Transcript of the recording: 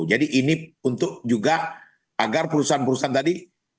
jadi ini untuk juga agar perusahaan perusahaan tadi